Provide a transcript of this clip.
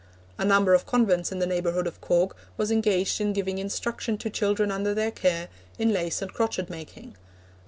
A number of convents in the neighbourhood of Cork was engaged in giving instruction to children under their care in lace and crochet making.